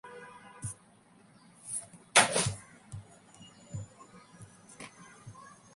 সম্প্রতি বছর গুলোতে প্রাতিষ্ঠানিক অর্থনীতি, উন্নয়ন অর্থনীতি উদ্বৃত্ত অর্থনীতি সহ ইহা বিভিন্ন সময়ে সমালোচিত হচ্ছে।